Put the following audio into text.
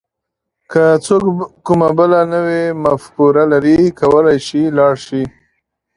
که څوک کومه بله نوې مفکوره لري کولای شي لاړ شي.